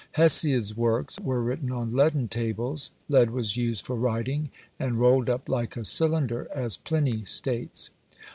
Hesiod's works were written on leaden tables: lead was used for writing, and rolled up like a cylinder, as Pliny states.